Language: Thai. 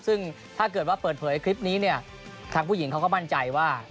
ซึ่งถ้าเกิดว่าเปิดเผยคลิปนี้เนี่ยทางผู้หญิงเขาก็มั่นใจว่า